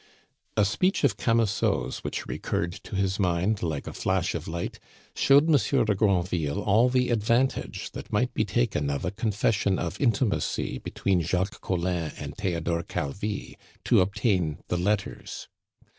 A speech of Camusot's, which recurred to his mind like a flash of light, showed Monsieur de Granville all the advantage that might be taken of a confession of intimacy between Jacques Collin and Theodore Calvi to obtain the letters.